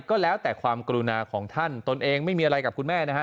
ก็แล้วแต่ความกรุณาของท่านตนเองไม่มีอะไรกับคุณแม่นะฮะ